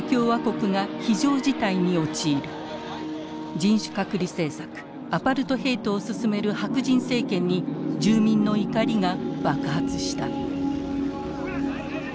人種隔離政策アパルトヘイトを進める白人政権に住民の怒りが爆発した。